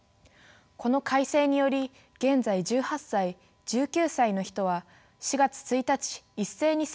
この改正により現在１８歳１９歳の人は４月１日一斉に成人になりました。